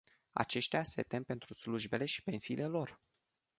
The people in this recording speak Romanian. Aceștia se tem pentru slujbele și pensiile lor.